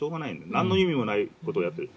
なんの意味もないことをやっている。